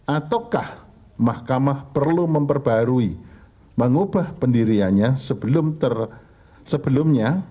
ataukah mahkamah perlu memperbarui mengubah pendiriannya sebelum tersebelumnya